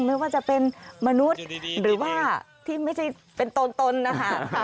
ไม่ว่าจะเป็นมนุษย์หรือว่าที่ไม่ใช่เป็นตนนะคะ